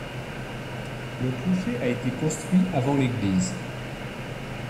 Le clocher a été construit avant l'église.